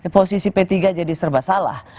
posisi p tiga jadi serba salah